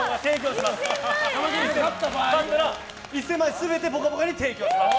勝ったら１０００万円全て「ぽかぽか」に提供します。